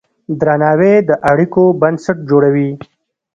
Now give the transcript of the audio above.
درناوی د اړیکو بنسټ جوړوي.